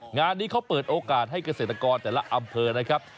งานนี้เขาเปิดโอกาสให้เกษตรกรแต่ละอำเภอนะครับ